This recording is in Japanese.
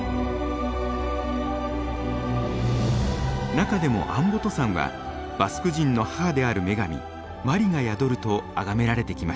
中でもアンボト山はバスク人の母である女神マリが宿るとあがめられてきました。